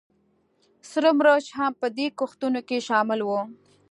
سره مرچ هم په دې کښتونو کې شامل وو